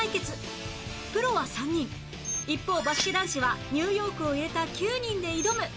プロは３人一方バスケ男子はニューヨークを入れた９人で挑む